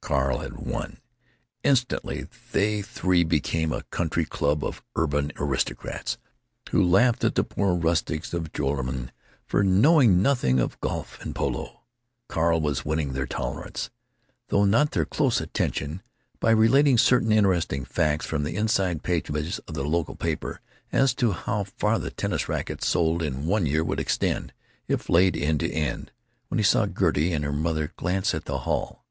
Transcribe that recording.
Carl had won. Instantly they three became a country club of urban aristocrats, who laughed at the poor rustics of Joralemon for knowing nothing of golf and polo. Carl was winning their tolerance—though not their close attention—by relating certain interesting facts from the inside pages of the local paper as to how far the tennis rackets sold in one year would extend, if laid end to end, when he saw Gertie and her mother glance at the hall.